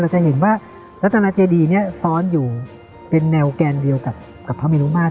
จะเห็นว่ารัฐนาเจดีเนี่ยซ้อนอยู่เป็นแนวแกนเดียวกับพระเมรุมาตร